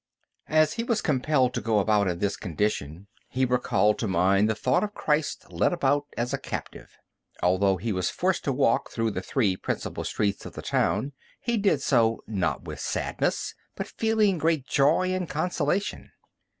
As he was compelled to go about in this condition, he recalled to mind the thought of Christ led about as a captive. Although he was forced to walk through the three principal streets of the town, he did so, not with sadness, but feeling great joy and consolation.